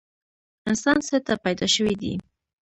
انسان څه ته پیدا شوی دی؟